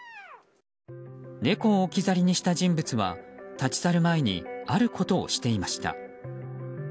猫を置き去りにした人物は立ち去る前にあることをしていました。